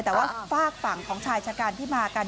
แต่ว่าฝากฝั่งของชายชะกันที่มากัน